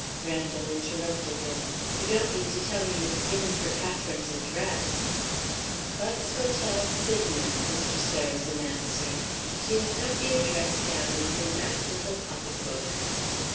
Randal interrupted him. "You don't mean to tell me you have given her Catherine's address?" "Buck's Hotel, Sydenham," Mr. Sarrazin answered. "She has got the address down in her nice little pocketbook."